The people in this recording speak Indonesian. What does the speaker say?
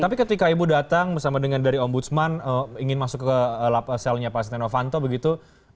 tapi ketika ibu datang bersama dengan dari ombudsman ingin masuk ke selnya pak setenovanto begitu